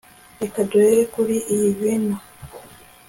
Reka duhere kuri iyi vino